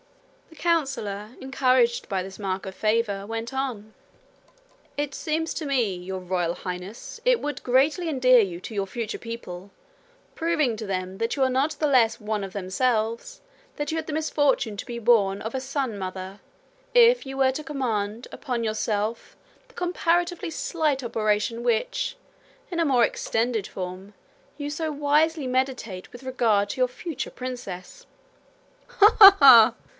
The councillor, encouraged by this mark of favour, went on. 'It seems to me, Your Royal Highness, it would greatly endear you to your future people, proving to them that you are not the less one of themselves that you had the misfortune to be born of a sun mother, if you were to command upon yourself the comparatively slight operation which, in a more extended form, you so wisely meditate with regard to your future princess.' 'Ha! ha! ha!'